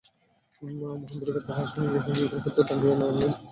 মহেন্দ্রকে তাহার শয়নগৃহের বিবর হইতে টানিয়া না বাহির করিয়া সে কোনোমতেই ছাড়িত না।